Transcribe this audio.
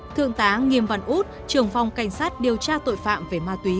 thượng tá nghiêm văn út trường phòng cảnh sát điều tra tội phạm về ma túy